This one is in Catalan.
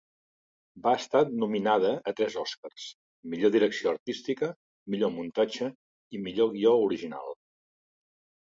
Va estar nominada a tres Oscars: millor direcció artística, millor muntatge i millor guió original.